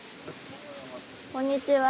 こんにちは。